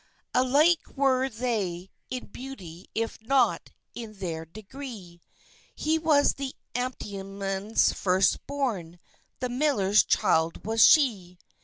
Alike were they in beauty if not in their degree: He was the Amptman's first born, the miller's child was she.